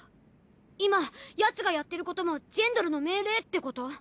今ヤツがやってることもジェンドルの命令ってこと？